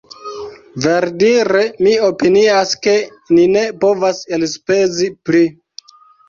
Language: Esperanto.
Verdire mi opinias ke ni ne povas elspezi pli.